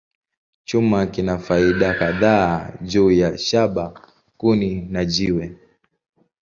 Chuma kina faida kadhaa juu ya shaba, kuni, na jiwe.